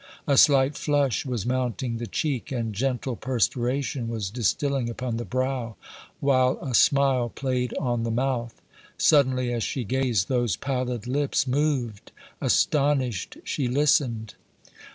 A slight flush was mounting the cheek, and gentle perspiration was distilling upon the brow, while a smile played on the mouth. Suddenly, as she gazed, those pallid lips moved. Astonished, she listened.